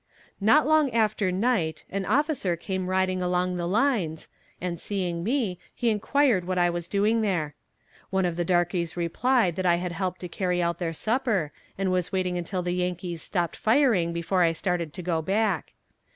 Not long after night an officer came riding along the lines, and seeing me he inquired what I was doing there. One of the darkies replied that I had helped to carry out their supper, and was waiting until the Yankees stopped firing before I started to go back.